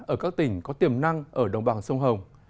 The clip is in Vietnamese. ở các tỉnh có tiềm năng ở đồng bằng sông hồng